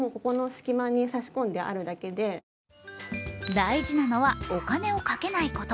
大事なのはお金をかけないこと。